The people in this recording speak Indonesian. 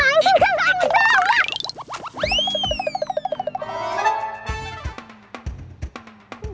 udah gak usah udah